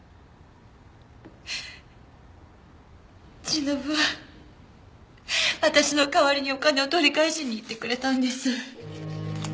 しのぶは私の代わりにお金を取り返しに行ってくれたんです。